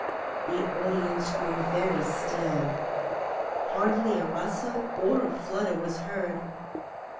The audience grew very still. Hardly a rustle or a flutter was heard.